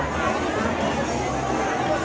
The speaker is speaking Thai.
สวัสดีครับ